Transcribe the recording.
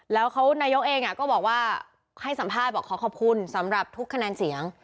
แล้วนายกเองก็บอกว่าให้สัมภาษณ์บอกขอขอบคุณสำหรับทุกคะแนนเสียง